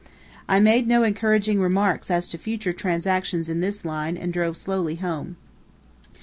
I made no encouraging remarks as to future transactions in this line, and drove slowly home.